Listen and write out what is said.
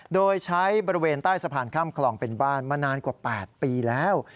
โดยใช้บริเวณใต้สะพานข้ามคลองเป็นบ้านมานานกว่า๘ปีแล้ว